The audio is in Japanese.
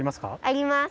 あります！